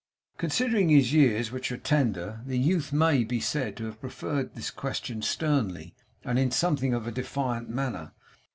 Considering his years, which were tender, the youth may be said to have preferred this question sternly, and in something of a defiant manner.